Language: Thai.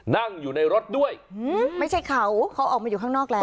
นั่งอยู่ในรถด้วยไม่ใช่เขาเขาออกมาอยู่ข้างนอกแล้ว